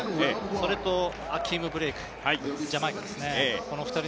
それとアキーム・ブレイクジャマイカですね。